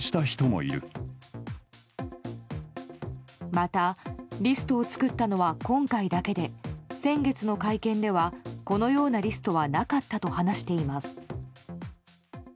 また、リストを作ったのは今回だけで先月の会見ではこのようなリストはなかったと話しています。